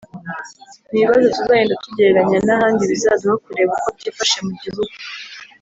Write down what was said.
ni ibibazo tuzagenda tugereranya n’ahandi bizaduha kureba uko byifashe mu gihugu